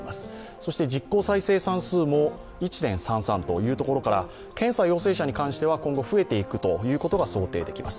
そして実効再生産数も１．３３というところから、検査陽性者に関しては今後、増えていくことが想定できます。